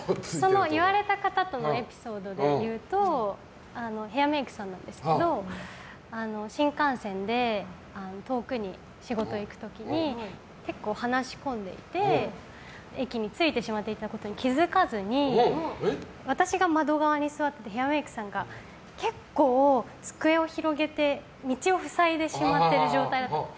その言われた方とのエピソードでいうとヘアメイクさんなんですけど新幹線で遠くに仕事へ行く時に結構、話し込んでいて駅に着いてしまっていたことに気づかずに私が窓側に座っていてヘアメイクさんが結構、机を広げて道を塞いでしまっている状態で。